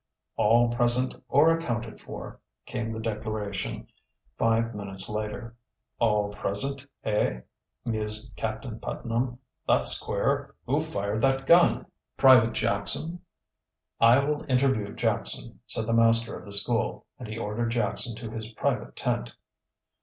"All present or accounted for," came the declaration, five minutes later. "All present, eh?" mused Captain Putnam. "That's queer. Who fired that gun?" "Private Jackson." "I will interview Jackson," said the master of the school, and he ordered Jackson to his private tent.